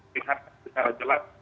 dihakir secara jelas